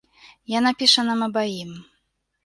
Яна піша нам абаім.